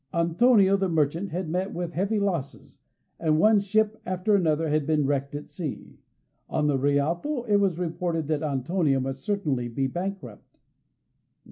Antonio, the merchant, had met with heavy losses, and one ship after another had been wrecked at sea. On the Rialto it was reported that Antonio must certainly be bankrupt.